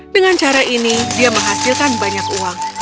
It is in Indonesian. dengan cara ini dia menghasilkan banyak uang